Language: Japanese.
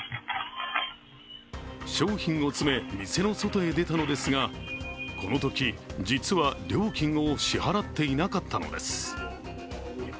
商品を詰め、店の外へ出たのですがこのとき、実は料金を支払っていなかったのです。